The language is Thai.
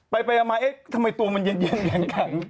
ไปเอามาเอ๊ะทำไมตัวมันเย็นอย่างกัน